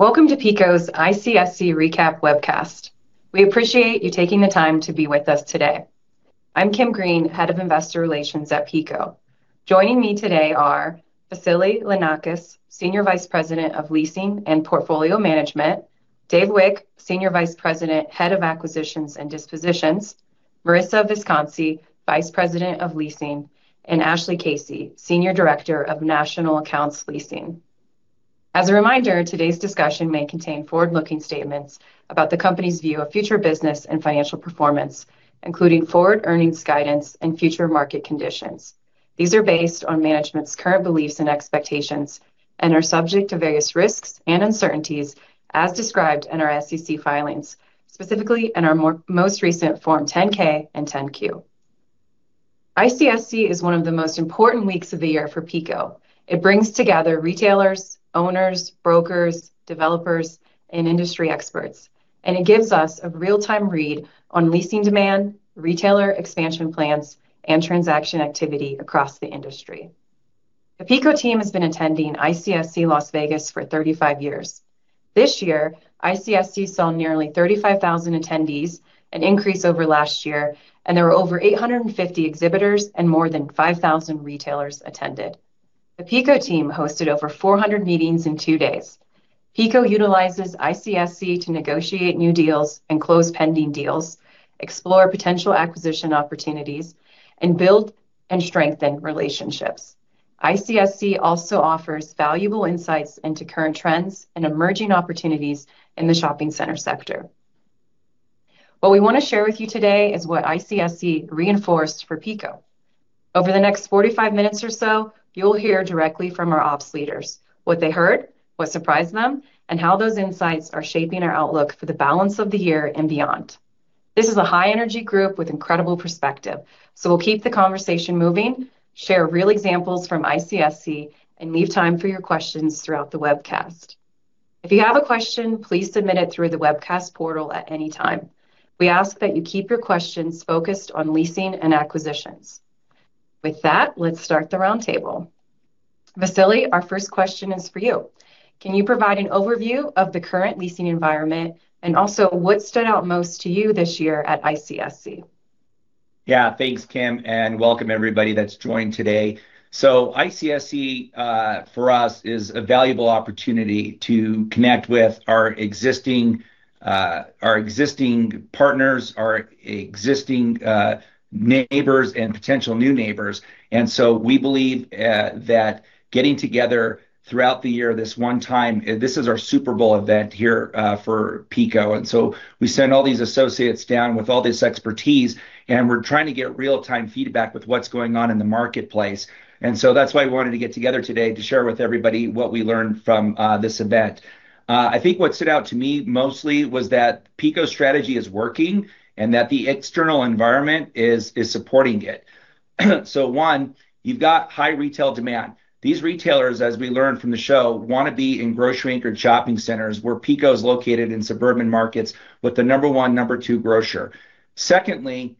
Welcome to PECO's ICSC Recap Webcast. We appreciate you taking the time to be with us today. I'm Kimberly Green, Head of Investor Relations at PECO. Joining me today are Vasili Lyhnakis, Senior Vice President of Leasing and Portfolio Management, David Wik, Senior Vice President, Head of Acquisitions and Dispositions, Marissa Visconsi, Vice President of Leasing, and Ashley Casey, Senior Director of National Accounts Leasing. As a reminder, today's discussion may contain forward-looking statements about the company's view of future business and financial performance, including forward earnings guidance and future market conditions. These are based on management's current beliefs and expectations and are subject to various risks and uncertainties as described in our SEC filings, specifically in our most recent Form 10-K and 10-Q. ICSC is one of the most important weeks of the year for PECO. It brings together retailers, owners, brokers, developers, and industry experts. It gives us a real-time read on leasing demand, retailer expansion plans, and transaction activity across the industry. The PECO team has been attending ICSC Las Vegas for 35 years. This year, ICSC saw nearly 35,000 attendees, an increase over last year. There were over 850 exhibitors, and more than 5,000 retailers attended. The PECO team hosted over 400 meetings in two days. PECO utilizes ICSC to negotiate new deals and close pending deals, explore potential acquisition opportunities, and build and strengthen relationships. ICSC also offers valuable insights into current trends and emerging opportunities in the shopping center sector. What we want to share with you today is what ICSC reinforced for PECO. Over the next 45 minutes or so, you'll hear directly from our ops leaders what they heard, what surprised them, and how those insights are shaping our outlook for the balance of the year and beyond. This is a high-energy group with incredible perspective. We'll keep the conversation moving, share real examples from ICSC, and leave time for your questions throughout the webcast. If you have a question, please submit it through the webcast portal at any time. We ask that you keep your questions focused on leasing and acquisitions. With that, let's start the roundtable. Vasili, our first question is for you. Can you provide an overview of the current leasing environment? Also what stood out most to you this year at ICSC? Yeah. Thanks, Kimberly, and welcome everybody that's joined today. ICSC, for us, is a valuable opportunity to connect with our existing partners, our existing neighbors, and potential new neighbors. We believe that getting together throughout the year this one time, this is our Super Bowl event here for PECO. We send all these associates down with all this expertise, and we're trying to get real-time feedback with what's going on in the marketplace. That's why we wanted to get together today to share with everybody what we learned from this event. I think what stood out to me mostly was that PECO's strategy is working, and that the external environment is supporting it. One, you've got high retail demand. These retailers, as we learned from the show, want to be in grocery-anchored shopping centers where PECO's located in suburban markets with the number one, number two grocer. Secondly,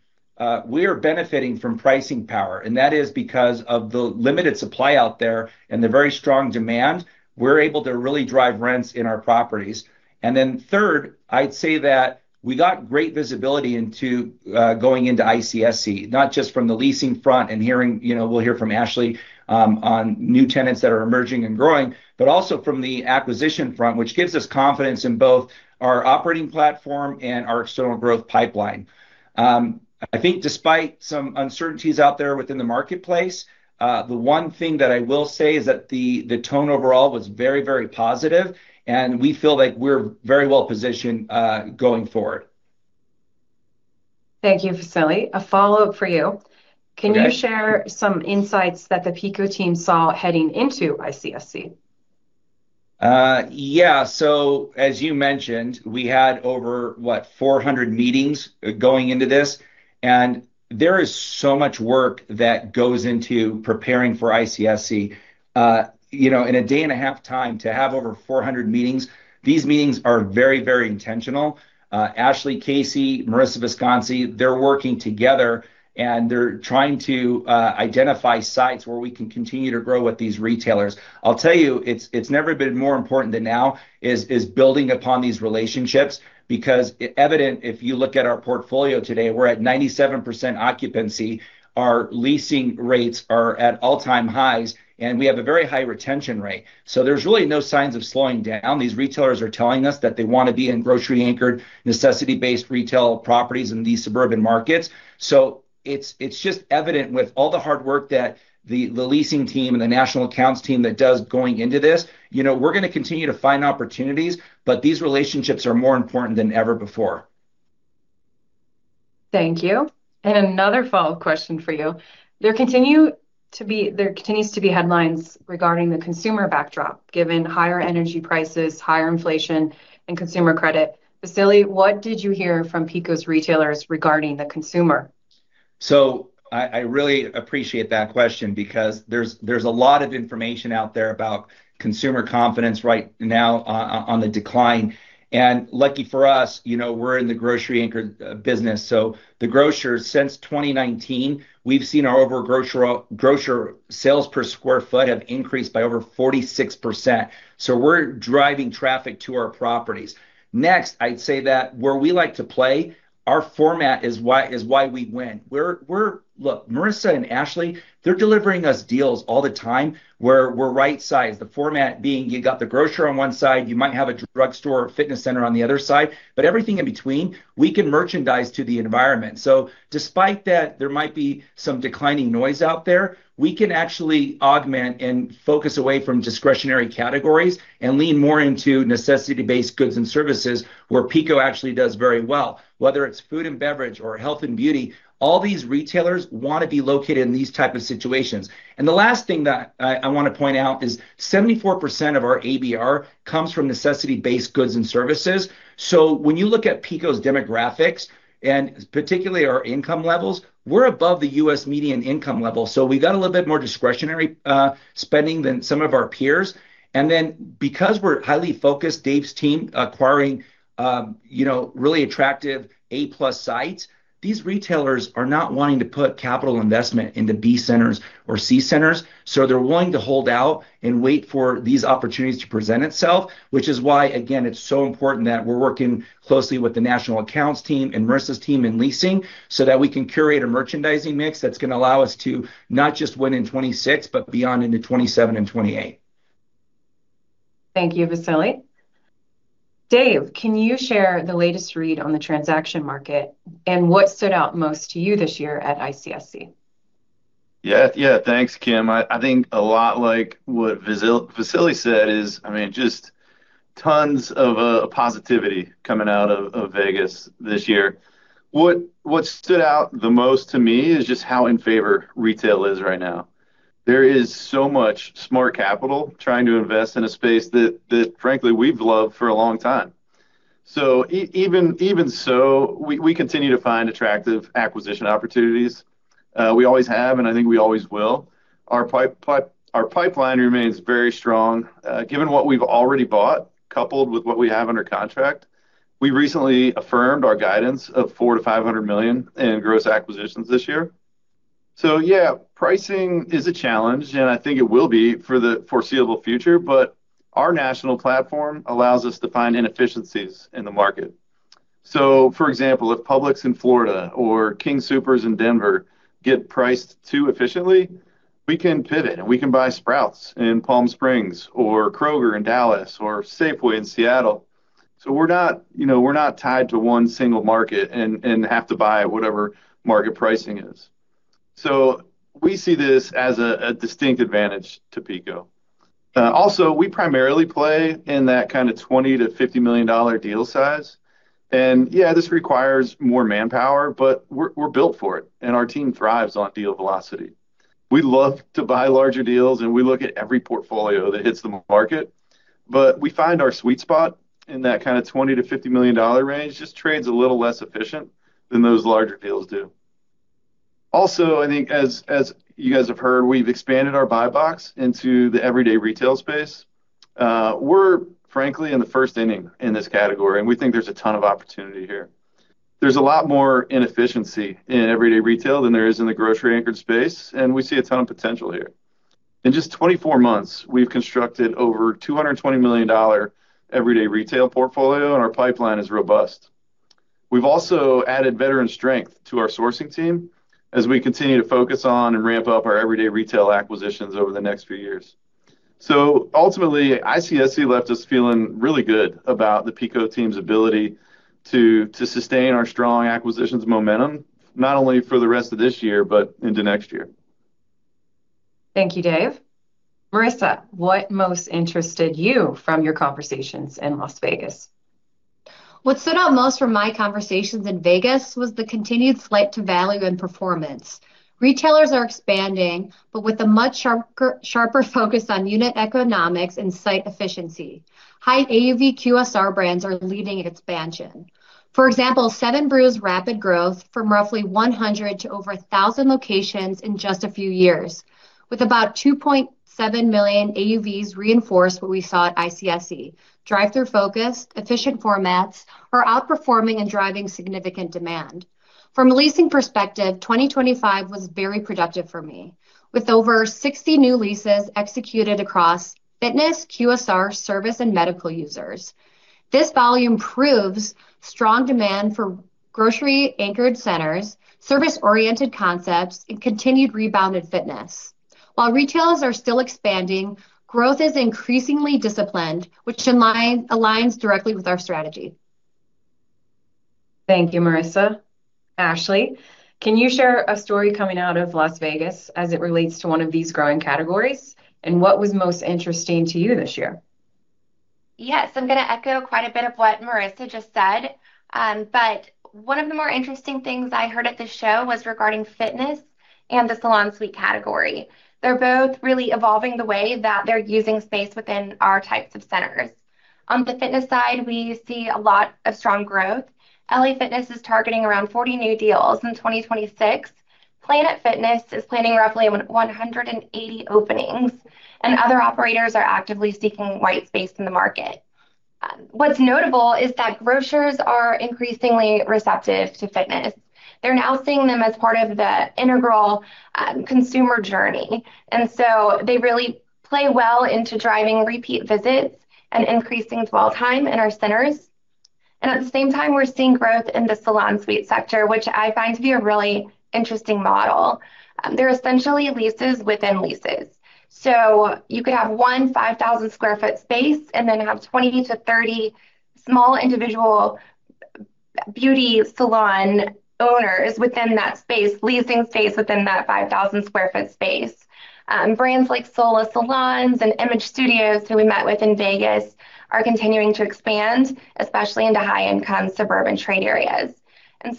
we are benefiting from pricing power, and that is because of the limited supply out there and the very strong demand. We're able to really drive rents in our properties. Third, I'd say that we got great visibility into going into ICSC, not just from the leasing front and hearing, we'll hear from Ashley, on new tenants that are emerging and growing, but also from the acquisition front, which gives us confidence in both our operating platform and our external growth pipeline. I think despite some uncertainties out there within the marketplace, the one thing that I will say is that the tone overall was very, very positive, and we feel like we're very well positioned going forward. Thank you, Vasili. A follow-up for you. Okay. Can you share some insights that the PECO team saw heading into ICSC? Yeah. As you mentioned, we had over, what, 400 meetings going into this. There is so much work that goes into preparing for ICSC. In a day-and-a-half time to have over 400 meetings, these meetings are very, very intentional. Ashley Casey, Marissa Visconsi, they're working together, they're trying to identify sites where we can continue to grow with these retailers. I'll tell you, it's never been more important than now is building upon these relationships because evident, if you look at our portfolio today, we're at 97% occupancy. Our leasing rates are at all-time highs, we have a very high retention rate. There's really no signs of slowing down. These retailers are telling us that they want to be in grocery-anchored, necessity-based retail properties in these suburban markets. It's just evident with all the hard work that the leasing team and the national accounts team that does going into this. We're going to continue to find opportunities, but these relationships are more important than ever before. Thank you. Another follow-up question for you. There continues to be headlines regarding the consumer backdrop, given higher energy prices, higher inflation, and consumer credit. Vasili, what did you hear from PECO's retailers regarding the consumer? I really appreciate that question because there's a lot of information out there about consumer confidence right now on the decline. Lucky for us, we're in the grocery anchor business. The grocers, since 2019, we've seen our overall grocer sales per square foot have increased by over 46%. We're driving traffic to our properties. Next, I'd say that where we like to play, our format is why we win. Look, Marissa and Ashley, they're delivering us deals all the time. We're right-sized, the format being you got the grocer on one side, you might have a drugstore or fitness center on the other side. Everything in between, we can merchandise to the environment. Despite that, there might be some declining noise out there. We can actually augment and focus away from discretionary categories and lean more into necessity-based goods and services where PECO actually does very well. Whether it's food and beverage or health and beauty, all these retailers want to be located in these type of situations. The last thing that I want to point out is 74% of our ABR comes from necessity-based goods and services. When you look at PECO's demographics, and particularly our income levels, we're above the U.S. median income level. We got a little bit more discretionary spending than some of our peers. Because we're highly focused, David's team acquiring really attractive A+ sites, these retailers are not wanting to put capital investment into B centers or C centers. They're willing to hold out and wait for these opportunities to present itself, which is why, again, it's so important that we're working closely with the national accounts team and Marissa's team in leasing so that we can curate a merchandising mix that's going to allow us to not just win in 2026, but beyond into 2027 and 2028. Thank you, Vasili. David, can you share the latest read on the transaction market and what stood out most to you this year at ICSC? Thanks, Kimberly. I think a lot like what Vasili said is just tons of positivity coming out of Vegas this year. What stood out the most to me is just how in favor retail is right now. There is so much smart capital trying to invest in a space that frankly, we've loved for a long time. Even so, we continue to find attractive acquisition opportunities. We always have, and I think we always will. Our pipeline remains very strong. Given what we've already bought, coupled with what we have under contract, we recently affirmed our guidance of $400 million-$500 million in gross acquisitions this year. Pricing is a challenge, and I think it will be for the foreseeable future, but our national platform allows us to find inefficiencies in the market. For example, if Publix in Florida or King Soopers in Denver get priced too efficiently, we can pivot and we can buy Sprouts in Palm Springs or Kroger in Dallas or Safeway in Seattle. We see this as a distinct advantage to PECO. We primarily play in that kind of $20 million-$50 million deal size. Yeah, this requires more manpower, but we're built for it, and our team thrives on deal velocity. We love to buy larger deals, we look at every portfolio that hits the market. We find our sweet spot in that kind of $20 million-$50 million range. Just trades a little less efficient than those larger deals do. I think as you guys have heard, we've expanded our buy box into the everyday retail space. We're frankly in the first inning in this category, and we think there's a ton of opportunity here. There's a lot more inefficiency in everyday retail than there is in the grocery anchored space, and we see a ton of potential here. In just 24 months, we've constructed over $220 million everyday retail portfolio, and our pipeline is robust. We've also added veteran strength to our sourcing team as we continue to focus on and ramp up our everyday retail acquisitions over the next few years. ICSC left us feeling really good about the PECO team's ability to sustain our strong acquisitions momentum, not only for the rest of this year, but into next year. Thank you, David. Marissa, what most interested you from your conversations in Las Vegas? What stood out most from my conversations in Vegas was the continued flight to value and performance. Retailers are expanding with a much sharper focus on unit economics and site efficiency. High AUV QSR brands are leading expansion. For example, 7 Brew's rapid growth from roughly 100 to over 1,000 locations in just a few years, with about $2.7 million AUVs reinforce what we saw at ICSC. Drive-thru focused, efficient formats are outperforming and driving significant demand. From a leasing perspective, 2025 was very productive for me, with over 60 new leases executed across fitness, QSR, service, and medical users. This volume proves strong demand for grocery anchored centers, service-oriented concepts, and continued rebound in fitness. While retailers are still expanding, growth is increasingly disciplined, which aligns directly with our strategy. Thank you, Marissa. Ashley, can you share a story coming out of Las Vegas as it relates to one of these growing categories? What was most interesting to you this year? Yes. I'm going to echo quite a bit of what Marissa just said. One of the more interesting things I heard at the show was regarding fitness and the salon suite category. They're both really evolving the way that they're using space within our types of centers. On the fitness side, we see a lot of strong growth. LA Fitness is targeting around 40 new deals in 2026. Planet Fitness is planning roughly 180 openings, and other operators are actively seeking white space in the market. What's notable is that grocers are increasingly receptive to fitness. They're now seeing them as part of the integral consumer journey, and so they really play well into driving repeat visits and increasing dwell time in our centers. At the same time, we're seeing growth in the salon suite sector, which I find to be a really interesting model. They're essentially leases within leases. You could have one 5,000 sq ft space and then have 20-30 small individual beauty salon owners within that space, leasing space within that 5,000 sq ft space. Brands like Sola Salons and IMAGE Studios, who we met with in Vegas, are continuing to expand, especially into high-income suburban trade areas.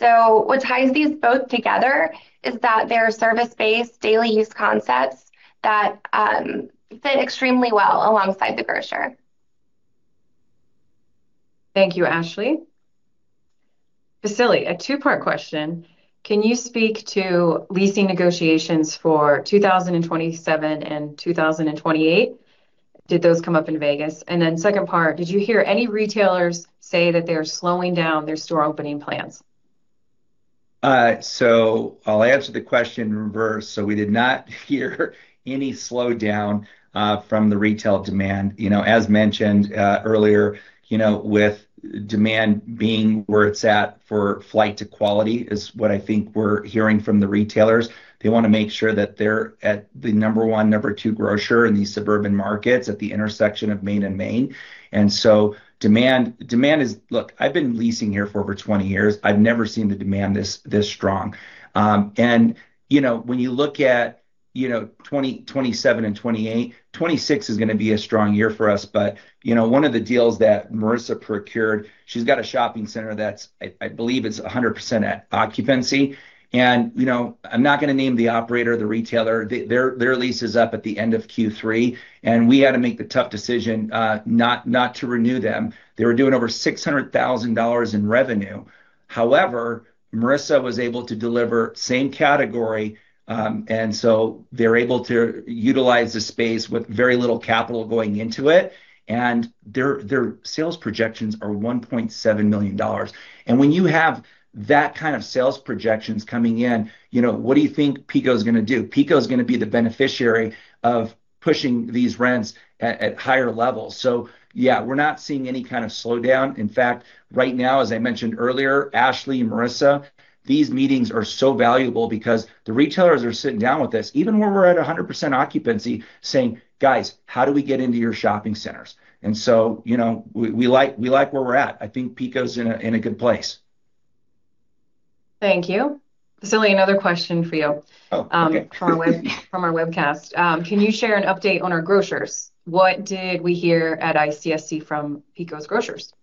What ties these both together is that they're service-based daily use concepts that fit extremely well alongside the grocer. Thank you, Ashley. Vasili, a two-part question. Can you speak to leasing negotiations for 2027 and 2028? Did those come up in Vegas? Second part, did you hear any retailers say that they're slowing down their store opening plans? I'll answer the question in reverse. We did not hear any slowdown from the retail demand. As mentioned earlier, with demand being where it's at for flight to quality is what I think we're hearing from the retailers. They want to make sure that they're at the number one, number two grocer in these suburban markets at the intersection of Main and Main. Look, I've been leasing here for over 20 years. I've never seen the demand this strong. When you look at 2027 and 2028, 2026 is going to be a strong year for us. One of the deals that Marissa procured, she's got a shopping center that's, I believe it's 100% at occupancy. I'm not going to name the operator, the retailer. Their lease is up at the end of Q3, we had to make the tough decision not to renew them. They were doing over $600,000 in revenue. However, Marissa was able to deliver same category, and so they're able to utilize the space with very little capital going into it, and their sales projections are $1.7 million. When you have that kind of sales projections coming in, what do you think PECO's going to do? PECO's going to be the beneficiary of pushing these rents at higher levels. Yeah, we're not seeing any kind of slowdown. In fact, right now, as I mentioned earlier, Ashley and Marissa, these meetings are so valuable because the retailers are sitting down with us, even when we're at 100% occupancy, saying, "Guys, how do we get into your shopping centers?" We like where we're at. I think PECO's in a good place. Thank you. Vasili, another question for you. Oh, okay. From our webcast. Can you share an update on our grocers? What did we hear at ICSC from PECO's grocers?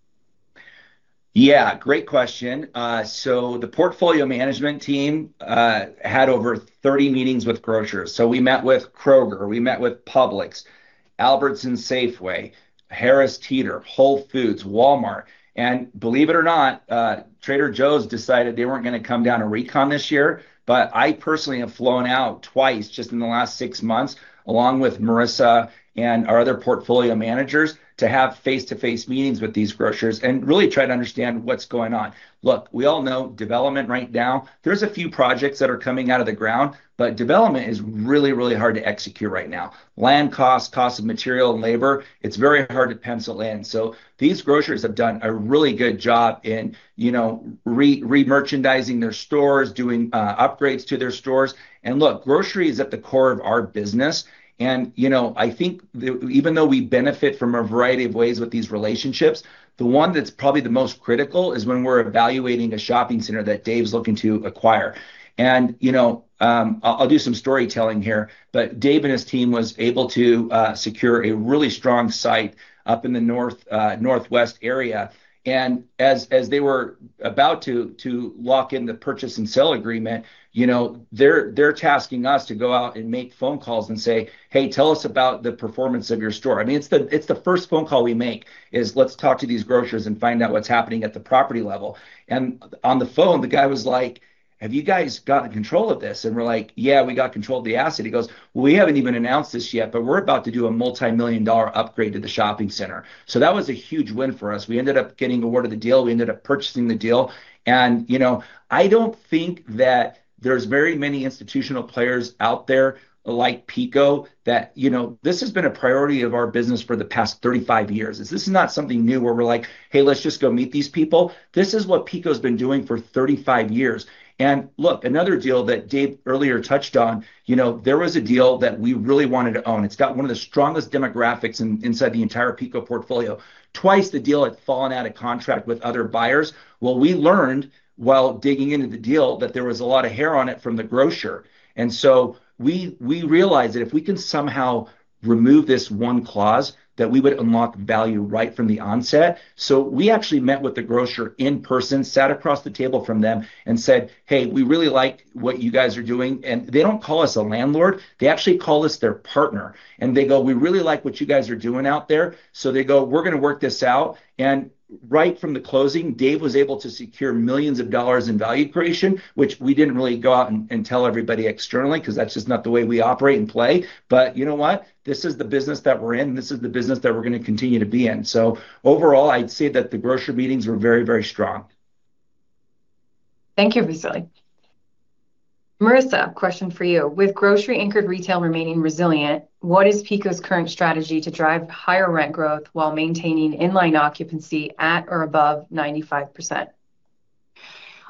Yeah, great question. The portfolio management team had over 30 meetings with grocers. We met with Kroger, we met with Publix, Albertsons, Safeway, Harris Teeter, Whole Foods, Walmart, and believe it or not, Trader Joe's decided they weren't going to come down to RECon this year. I personally have flown out twice just in the last six months, along with Marissa and our other portfolio managers, to have face-to-face meetings with these grocers and really try to understand what's going on. Look, we all know development right now, there's a few projects that are coming out of the ground, but development is really, really hard to execute right now. Land costs, cost of material, and labor, it's very hard to pencil in. These grocers have done a really good job in re-merchandising their stores, doing upgrades to their stores. Look, grocery is at the core of our business. I think that even though we benefit from a variety of ways with these relationships, the one that's probably the most critical is when we're evaluating a shopping center that David's looking to acquire. I'll do some storytelling here, but David and his team was able to secure a really strong site up in the northwest area. As they were about to lock in the purchase and sale agreement, they're tasking us to go out and make phone calls and say, "Hey, tell us about the performance of your store." It's the first phone call we make is, let's talk to these grocers and find out what's happening at the property level. On the phone, the guy was like, "Have you guys gotten control of this?" We're like, "Yeah, we got control of the asset." He goes, "We haven't even announced this yet, but we're about to do a multimillion-dollar upgrade to the shopping center." That was a huge win for us. We ended up getting award of the deal. We ended up purchasing the deal. I don't think that there's very many institutional players out there like PECO that this has been a priority of our business for the past 35 years. This is not something new where we're like, "Hey, let's just go meet these people." This is what PECO's been doing for 35 years. Look, another deal that David earlier touched on. There was a deal that we really wanted to own. It's got one of the strongest demographics inside the entire PECO portfolio. Twice the deal had fallen out of contract with other buyers. What we learned while digging into the deal, that there was a lot of hair on it from the grocer. We realized that if we can somehow remove this one clause, that we would unlock value right from the onset. We actually met with the grocer in person, sat across the table from them and said, "Hey, we really like what you guys are doing." They don't call us a landlord. They actually call us their partner. They go, "We really like what you guys are doing out there." They go, "We're going to work this out." Right from the closing, David was able to secure millions of dollars in value creation, which we didn't really go out and tell everybody externally because that's just not the way we operate and play. You know what? This is the business that we're in. This is the business that we're going to continue to be in. Overall, I'd say that the grocer meetings were very, very strong. Thank you, Vasili. Marissa, question for you. With grocery anchored retail remaining resilient, what is PECO's current strategy to drive higher rent growth while maintaining inline occupancy at or above 95%?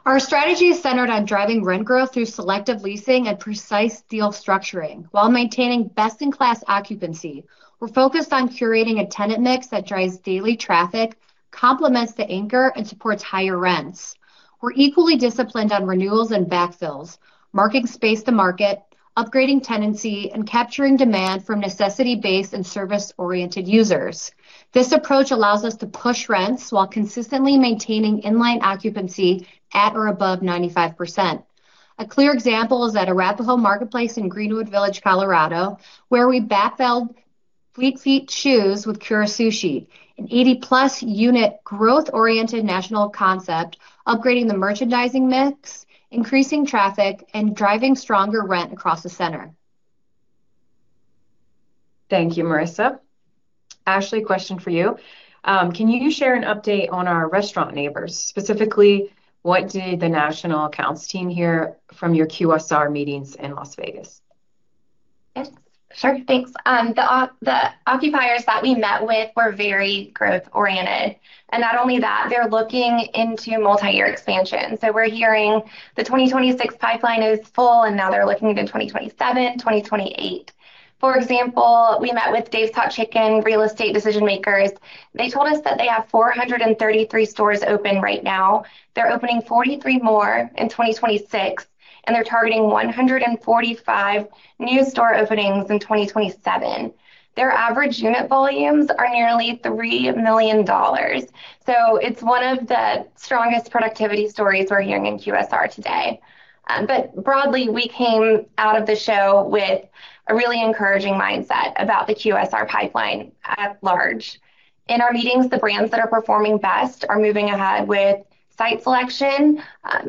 Our strategy is centered on driving rent growth through selective leasing and precise deal structuring while maintaining best-in-class occupancy. We're focused on curating a tenant mix that drives daily traffic, complements the anchor, and supports higher rents. We're equally disciplined on renewals and backfills, marking space to market, upgrading tenancy, and capturing demand for necessity-based and service-oriented users. This approach allows us to push rents while consistently maintaining inline occupancy at or above 95%. A clear example is at Arapahoe Marketplace in Greenwood Village, Colorado, where we backfilled Fleet Feet Shoes with Kura Sushi, an 80+ unit growth-oriented national concept, upgrading the merchandising mix, increasing traffic, and driving stronger rent across the center. Thank you, Marissa. Ashley, question for you. Can you share an update on our restaurant neighbors? Specifically, what did the national accounts team hear from your QSR meetings in Las Vegas? Yes. Sure. Thanks. The occupiers that we met with were very growth oriented, and not only that, they're looking into multi-year expansion. We're hearing the 2026 pipeline is full, and now they're looking to 2027, 2028. For example, we met with Dave's Hot Chicken real estate decision makers. They told us that they have 433 stores open right now. They're opening 43 more in 2026, and they're targeting 145 new store openings in 2027. Their average unit volumes are nearly $3 million. It's one of the strongest productivity stories we're hearing in QSR today. Broadly, we came out of the show with a really encouraging mindset about the QSR pipeline at large. In our meetings, the brands that are performing best are moving ahead with site selection,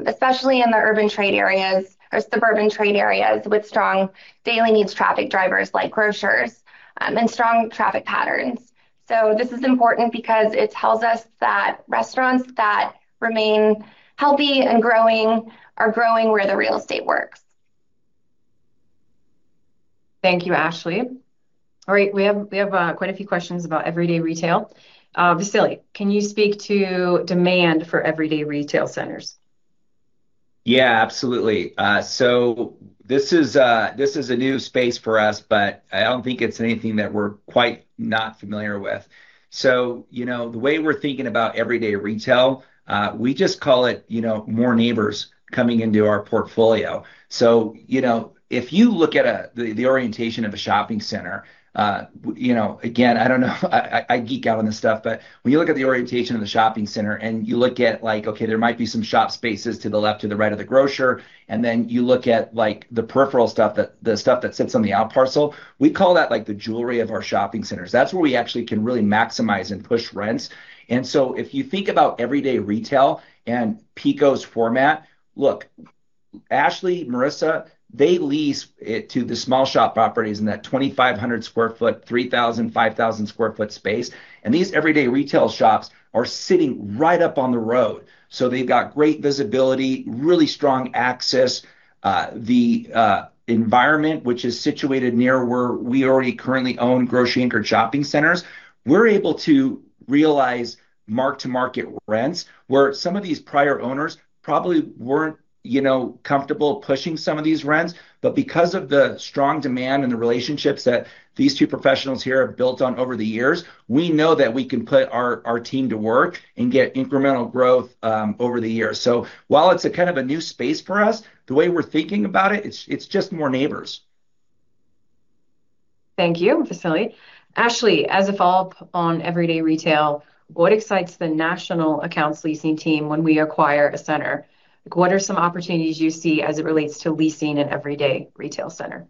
especially in the urban trade areas or suburban trade areas with strong daily needs traffic drivers like grocers and strong traffic patterns. This is important because it tells us that restaurants that remain healthy and growing are growing where the real estate works. Thank you, Ashley. All right. We have quite a few questions about everyday retail. Vasili, can you speak to demand for everyday retail centers? Absolutely. This is a new space for us, but I don't think it's anything that we're quite not familiar with. The way we're thinking about everyday retail, we just call it more neighbors coming into our portfolio. If you look at the orientation of a shopping center, again, I don't know, I geek out on this stuff, but when you look at like, okay, there might be some shop spaces to the left or the right of the grocer, then you look at the peripheral stuff, the stuff that sits on the outparcel, we call that the jewelry of our shopping centers. That's where we actually can really maximize and push rents. If you think about everyday retail and PECO's format, look, Ashley, Marissa, they lease it to the small shop operators in that 2,500 sq ft, 3,000, 5,000 sq ft space. These everyday retail shops are sitting right up on the road. They've got great visibility, really strong access. The environment, which is situated near where we already currently own grocery anchored shopping centers, we're able to realize mark-to-market rents, where some of these prior owners probably weren't comfortable pushing some of these rents. Because of the strong demand and the relationships that these two professionals here have built on over the years, we know that we can put our team to work and get incremental growth over the years. While it's a kind of a new space for us, the way we're thinking about it's just more neighbors. Thank you, Vasili. Ashley, as a follow-up on everyday retail, what excites the national accounts leasing team when we acquire a center? What are some opportunities you see as it relates to leasing an everyday retail center?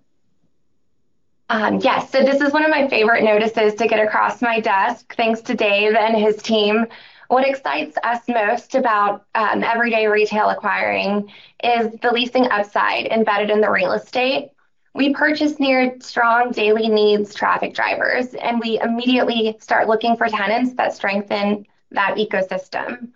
Yes. This is one of my favorite notices to get across my desk. Thanks to David and his team. What excites us most about everyday retail acquiring is the leasing upside embedded in the real estate. We purchase near strong daily needs traffic drivers, and we immediately start looking for tenants that strengthen that ecosystem.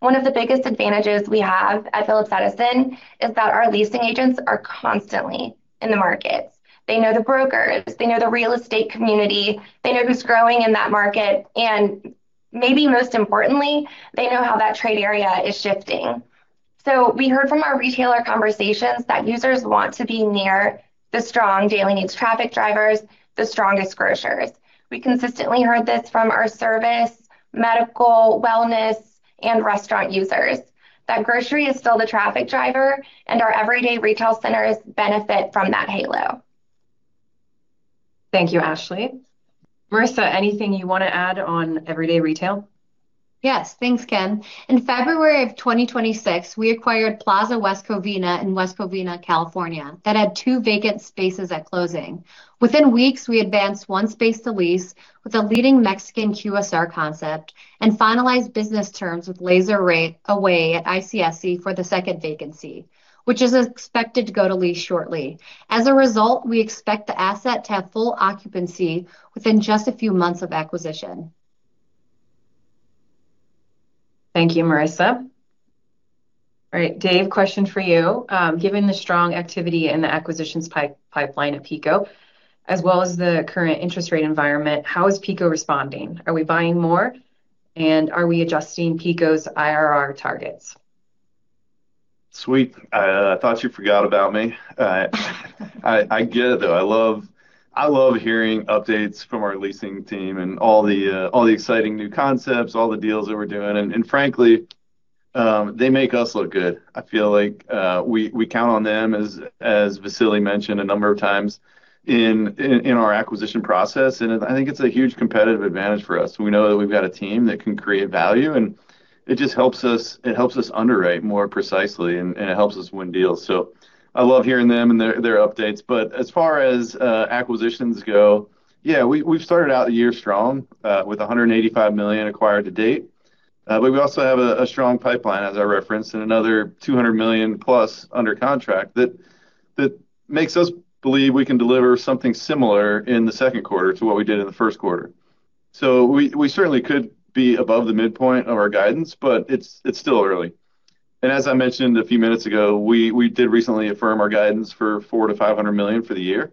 One of the biggest advantages we have at Phillips Edison is that our leasing agents are constantly in the markets. They know the brokers, they know the real estate community, they know who's growing in that market, and maybe most importantly, they know how that trade area is shifting. We heard from our retailer conversations that users want to be near the strong daily needs traffic drivers, the strongest grocers. We consistently heard this from our service, medical, wellness, and restaurant users, that grocery is still the traffic driver, and our everyday retail centers benefit from that halo. Thank you, Ashley. Marissa, anything you want to add on everyday retail? Yes. Thanks, Kimberly. In February of 2026, we acquired Plaza West Covina in West Covina, California, that had two vacant spaces at closing. Within weeks, we advanced one space to lease with a leading Mexican QSR concept and finalized business terms with LaserAway at ICSC for the second vacancy, which is expected to go to lease shortly. As a result, we expect the asset to have full occupancy within just a few months of acquisition. Thank you, Marissa. All right, David, question for you. Given the strong activity in the acquisitions pipeline of PECO, as well as the current interest rate environment, how is PECO responding? Are we buying more, are we adjusting PECO's IRR targets? Sweet. I thought you forgot about me. I get it, though. I love hearing updates from our leasing team and all the exciting new concepts, all the deals that we're doing. Frankly, they make us look good. I feel like we count on them, as Vasili mentioned a number of times, in our acquisition process, and I think it's a huge competitive advantage for us. We know that we've got a team that can create value, and it helps us underwrite more precisely and it helps us win deals. I love hearing them and their updates. As far as acquisitions go, yeah, we've started out the year strong with $185 million acquired to date. We also have a strong pipeline, as I referenced, and another $200 million+ under contract that makes us believe we can deliver something similar in the Q2 to what we did in the Q1. We certainly could be above the midpoint of our guidance, but it's still early. As I mentioned a few minutes ago, we did recently affirm our guidance for $400 million-$500 million for the year.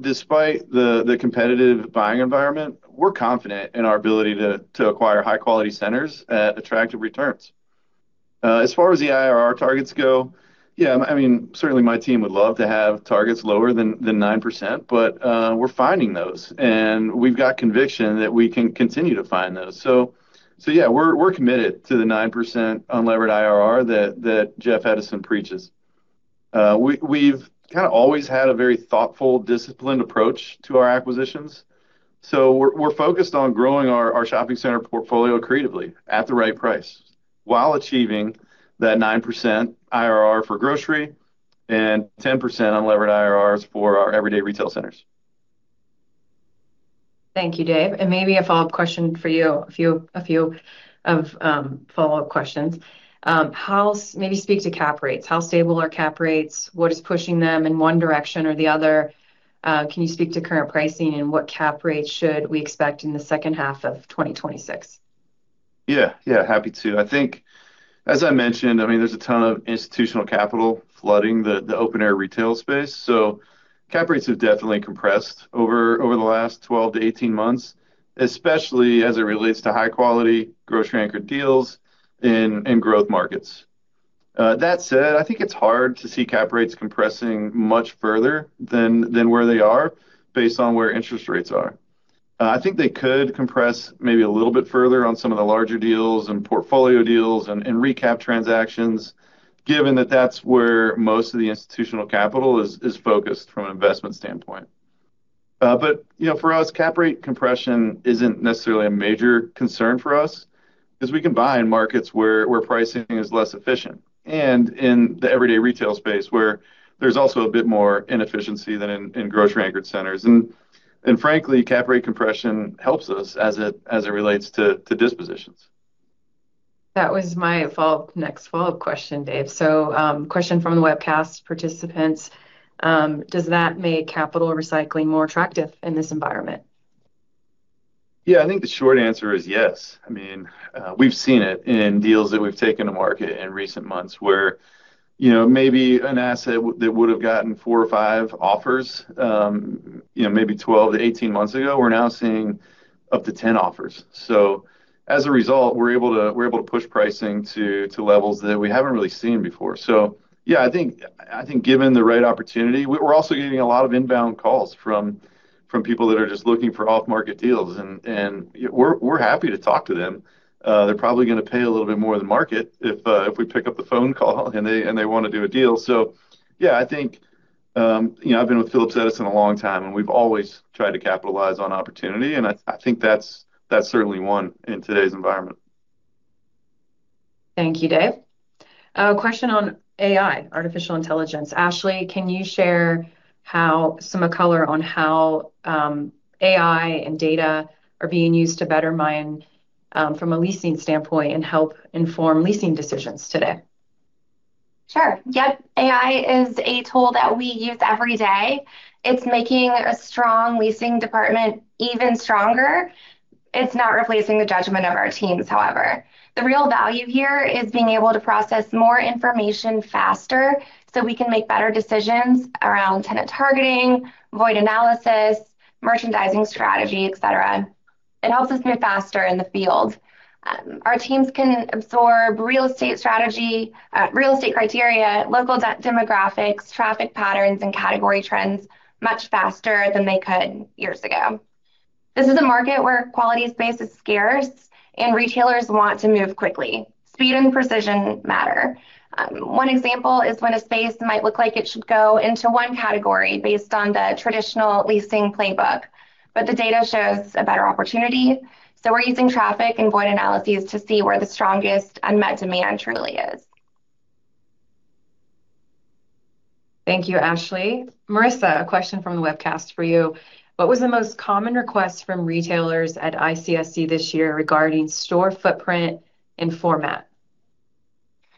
Despite the competitive buying environment, we're confident in our ability to acquire high-quality centers at attractive returns. As far as the IRR targets go, yeah, certainly my team would love to have targets lower than 9%, but we're finding those, and we've got conviction that we can continue to find those. Yeah, we're committed to the 9% unlevered IRR that Jeff Edison preaches. We've kind of always had a very thoughtful, disciplined approach to our acquisitions. We're focused on growing our shopping center portfolio creatively at the right price while achieving that 9% IRR for grocery and 10% unlevered IRRs for our everyday retail centers. Thank you, David. Maybe a follow-up question for you. A few follow-up questions. Maybe speak to cap rates. How stable are cap rates? What is pushing them in one direction or the other? Can you speak to current pricing and what cap rates should we expect in the second half of 2026? Yeah. Happy to. I think as I mentioned, there's a ton of institutional capital flooding the open-air retail space, so cap rates have definitely compressed over the last 12-18 months, especially as it relates to high-quality grocery-anchored deals in growth markets. That said, I think it's hard to see cap rates compressing much further than where they are based on where interest rates are. I think they could compress maybe a little bit further on some of the larger deals and portfolio deals and recap transactions, given that that's where most of the institutional capital is focused from an investment standpoint. For us, cap rate compression isn't necessarily a major concern for us because we can buy in markets where pricing is less efficient and in the everyday retail space, where there's also a bit more inefficiency than in grocery-anchored centers. Frankly, cap rate compression helps us as it relates to dispositions. That was my next follow-up question, David. Question from the webcast participants, does that make capital recycling more attractive in this environment? Yeah, I think the short answer is yes. We've seen it in deals that we've taken to market in recent months where maybe an asset that would've gotten four or five offers maybe 12-18 months ago, we're now seeing up to 10 offers. As a result, we're able to push pricing to levels that we haven't really seen before. Yeah, I think given the right opportunity. We're also getting a lot of inbound calls from people that are just looking for off-market deals, and we're happy to talk to them. They're probably going to pay a little bit more than market if we pick up the phone call and they want to do a deal. Yeah, I've been with Phillips Edison a long time, and we've always tried to capitalize on opportunity, and I think that's certainly one in today's environment. Thank you, David. A question on AI, artificial intelligence. Ashley, can you share some color on how AI and data are being used to better mine from a leasing standpoint and help inform leasing decisions today? Sure. Yep. AI is a tool that we use every day. It's making a strong leasing department even stronger. It's not replacing the judgment of our teams, however. The real value here is being able to process more information faster so we can make better decisions around tenant targeting, void analysis, merchandising strategy, et cetera. It helps us move faster in the field. Our teams can absorb real estate strategy, real estate criteria, local demographics, traffic patterns, and category trends much faster than they could years ago. This is a market where quality space is scarce, and retailers want to move quickly. Speed and precision matter. One example is when a space might look like it should go into one category based on the traditional leasing playbook, but the data shows a better opportunity. We're using traffic and void analyses to see where the strongest unmet demand truly is. Thank you, Ashley. Marissa, a question from the webcast for you. What was the most common request from retailers at ICSC this year regarding store footprint and format?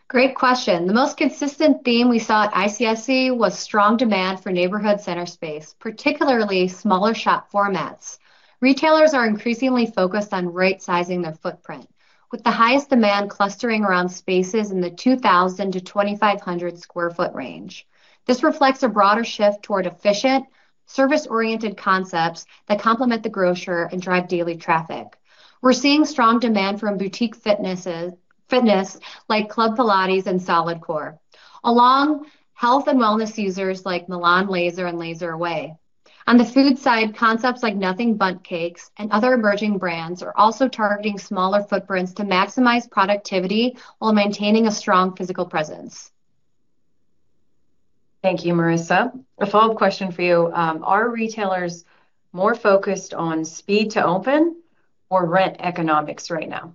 Great question. The most consistent theme we saw at ICSC was strong demand for neighborhood center space, particularly smaller shop formats. Retailers are increasingly focused on right-sizing their footprint, with the highest demand clustering around spaces in the 2,000-2,500 sq ft range. This reflects a broader shift toward efficient, service-oriented concepts that complement the grocer and drive daily traffic. We're seeing strong demand from boutique fitness like Club Pilates and Solidcore, along health and wellness users like Milan Laser and LaserAway. On the food side, concepts like Nothing Bundt Cakes and other emerging brands are also targeting smaller footprints to maximize productivity while maintaining a strong physical presence. Thank you, Marissa. A follow-up question for you. Are retailers more focused on speed to open or rent economics right now?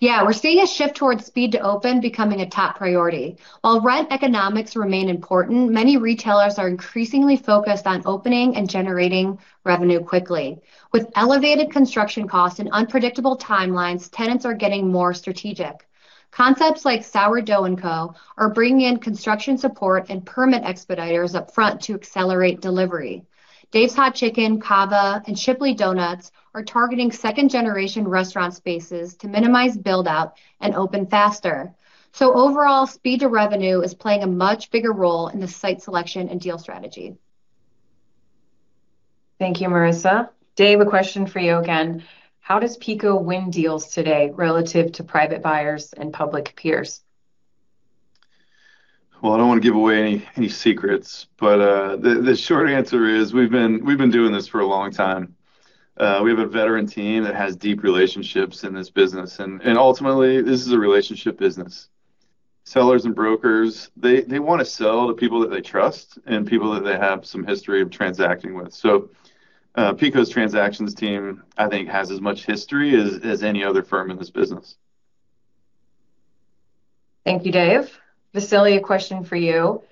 Yeah. We're seeing a shift towards speed to open becoming a top priority. While rent economics remain important, many retailers are increasingly focused on opening and generating revenue quickly. With elevated construction costs and unpredictable timelines, tenants are getting more strategic. Concepts like Sourdough & Co. are bringing in construction support and permit expediters upfront to accelerate delivery. David's Hot Chicken, CAVA, and Shipley Do-Nuts are targeting second-generation restaurant spaces to minimize build-out and open faster. Overall, speed to revenue is playing a much bigger role in the site selection and deal strategy. Thank you, Marissa. David, a question for you again. How does PECO win deals today relative to private buyers and public peers? I don't want to give away any secrets, but the short answer is we've been doing this for a long time. We have a veteran team that has deep relationships in this business, and ultimately, this is a relationship business. Sellers and brokers, they want to sell to people that they trust and people that they have some history of transacting with. PECO's transactions team, I think, has as much history as any other firm in this business. Thank you, David. Vasili, a question for you.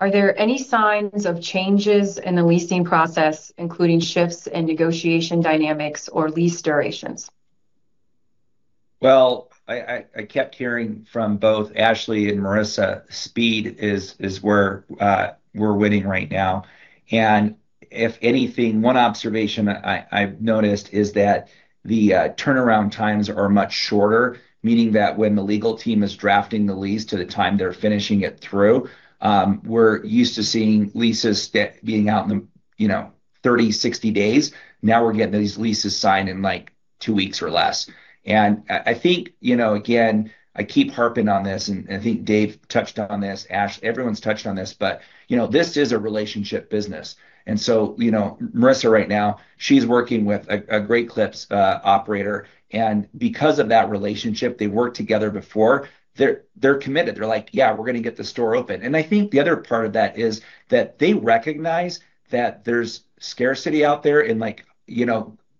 Are there any signs of changes in the leasing process, including shifts in negotiation dynamics or lease durations? Well, I kept hearing from both Ashley and Marissa, speed is where we're winning right now. If anything, one observation I've noticed is that the turnaround times are much shorter, meaning that when the legal team is drafting the lease to the time they're finishing it through, we're used to seeing leases being out in the 30, 60 days. Now we're getting these leases signed in two weeks or less. I think, again, I keep harping on this and I think David touched on this, Ash, everyone's touched on this, but this is a relationship business. Marissa right now, she's working with a Great Clips operator, and because of that relationship, they worked together before. They're committed. They're like, "Yeah, we're going to get the store open." I think the other part of that is that they recognize that there's scarcity out there in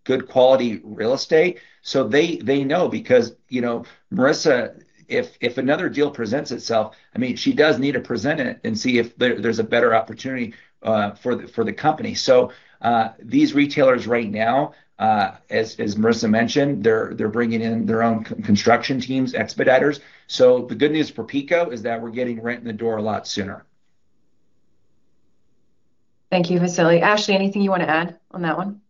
good quality real estate. They know because Marissa, if another deal presents itself, she does need to present it and see if there's a better opportunity for the company. These retailers right now, as Marissa mentioned, they're bringing in their own construction teams, expediters. The good news for PECO is that we're getting rent in the door a lot sooner. Thank you, Vasili. Ashley, anything you want to add on that one?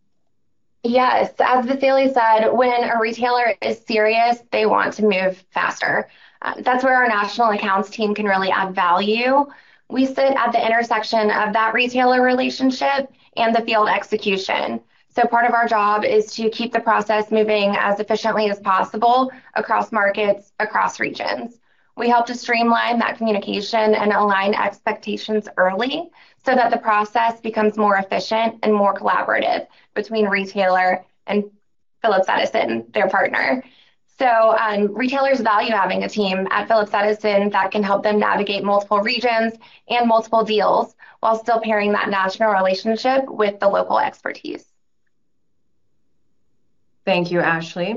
Yes. As Vasili said, when a retailer is serious, they want to move faster. That's where our national accounts team can really add value. We sit at the intersection of that retailer relationship and the field execution. Part of our job is to keep the process moving as efficiently as possible across markets, across regions. We help to streamline that communication and align expectations early so that the process becomes more efficient and more collaborative between retailer and Phillips Edison, their partner. Retailers value having a team at Phillips Edison that can help them navigate multiple regions and multiple deals while still pairing that national relationship with the local expertise. Thank you, Ashley.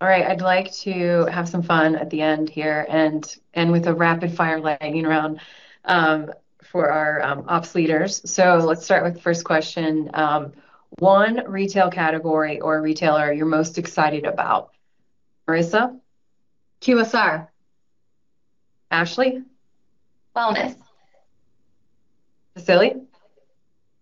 All right. I'd like to have some fun at the end here and end with a rapid fire lightning round for our ops leaders. Let's start with the first question. One retail category or retailer you're most excited about. Marissa? QSR. Ashley? Wellness. Vasili?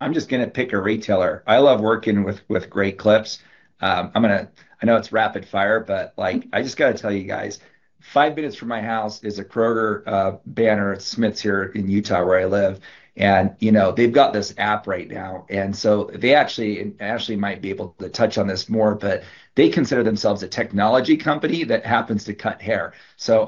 I'm just going to pick a retailer. I love working with Great Clips. I know it's rapid fire, but I just got to tell you guys, five minutes from my house is a Kroger banner. It's Smith's here in Utah where I live. They've got this app right now, they actually, and Ashley might be able to touch on this more, but they consider themselves a technology company that happens to cut hair.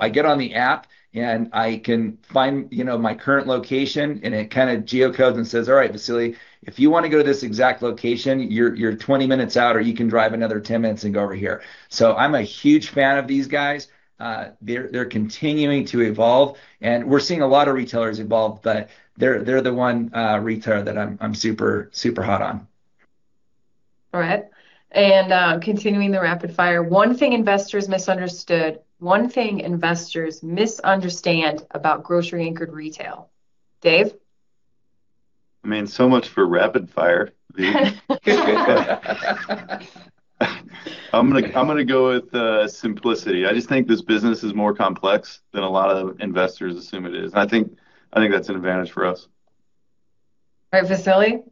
I get on the app and I can find my current location, and it kind of geocodes and says, "All right Vasili. If you want to go to this exact location, you're 20 minutes out, or you can drive another 10 minutes and go over here." I'm a huge fan of these guys. They're continuing to evolve, and we're seeing a lot of retailers evolve, but they're the one retailer that I'm super hot on. All right. continuing the rapid fire. One thing investors misunderstand about grocery anchored retail. David? Much for rapid fire. I'm going to go with simplicity. I just think this business is more complex than a lot of investors assume it is, and I think that's an advantage for us. All right, Vasili?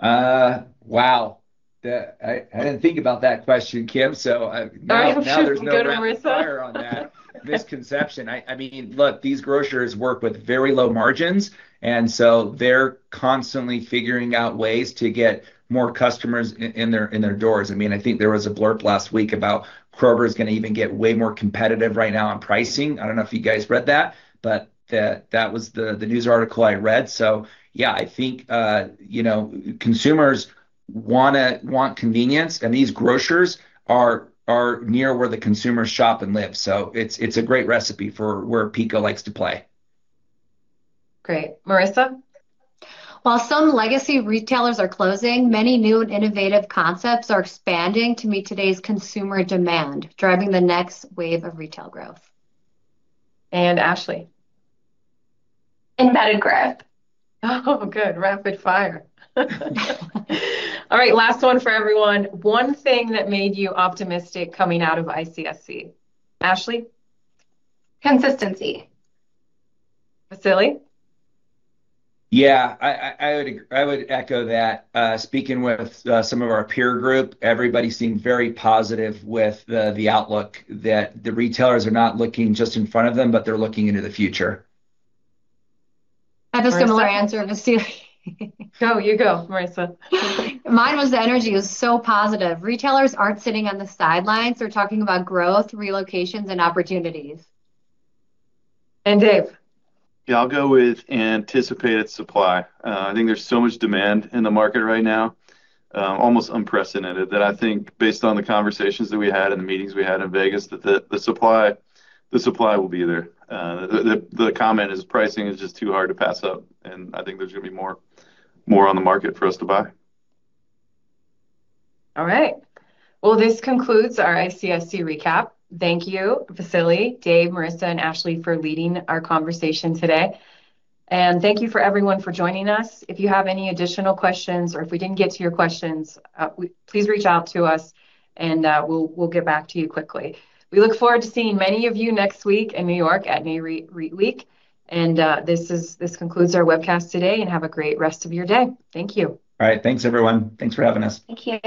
Wow, I didn't think about that question, Kimberly, so I guess now there's no rapid fire on that. Now we should have to get Marissa. Misconception. Look, these grocers work with very low margins, and so they're constantly figuring out ways to get more customers in their doors. I think there was a blurb last week about Kroger's going to even get way more competitive right now on pricing. I don't know if you guys read that, but that was the news article I read. Yeah, I think consumers want convenience, and these grocers are near where the consumers shop and live. It's a great recipe for where PECO likes to play. Great. Marissa? While some legacy retailers are closing, many new and innovative concepts are expanding to meet today's consumer demand, driving the next wave of retail growth. Ashley. Inventive growth. Good rapid fire. All right. Last one for everyone. One thing that made you optimistic coming out of ICSC? Ashley? Consistency. Vasili? Yeah, I would echo that. Speaking with some of our peer group, everybody seemed very positive with the outlook that the retailers are not looking just in front of them, but they're looking into the future. That was a similar answer with Vasili. No, you go, Marissa. Mine was the energy was so positive. Retailers aren't sitting on the sidelines. They're talking about growth, relocations, and opportunities. David. Yeah, I'll go with anticipated supply. I think there's so much demand in the market right now, almost unprecedented, that I think based on the conversations that we had and the meetings we had in Vegas, that the supply will be there. The comment is pricing is just too hard to pass up. I think there's going to be more on the market for us to buy. All right. Well, this concludes our ICSC recap. Thank you, Vasili, David, Marissa, and Ashley for leading our conversation today. Thank you everyone for joining us. If you have any additional questions or if we didn't get to your questions, please reach out to us and we'll get back to you quickly. We look forward to seeing many of you next week in N.Y. at ICSC@NEW YORK. This concludes our webcast today, and have a great rest of your day. Thank you. All right. Thanks, everyone. Thanks for having us. Thank you.